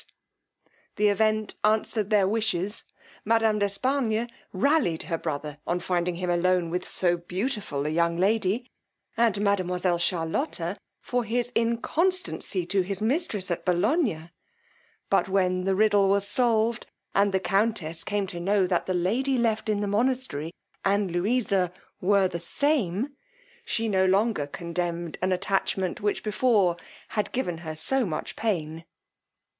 The event answered their wishes; madam d' Espargnes rallied her brother on finding him alone with so beautiful a young lady; and mademoiselle Charlotta, for his inconstancy to his mistress at Bolognia: but when the riddle was solved, and the countess came to know that the lady left in the monastery and Louisa were the same, she no longer condemned an attachment which before had given her so much pain.